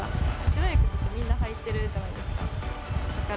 白い靴、みんな履いてるじゃないですか。